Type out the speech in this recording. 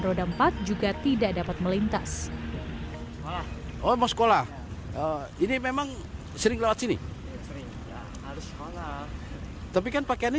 roda empat juga tidak dapat melintas oh mau sekolah ini memang sering lewat sini tapi kan pakaiannya